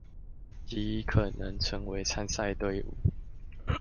極可能成為參賽隊伍